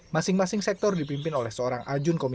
masing masing sektor dipimpin oleh seorang ajun